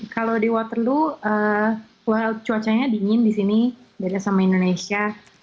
kalau di waterloo cuacanya dingin di sini beda sama indonesia